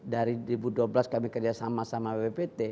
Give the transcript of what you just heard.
dari dua ribu dua belas kami kerja sama sama wpt